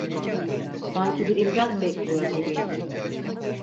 Sanki bir imdat bekliyor gibiydi.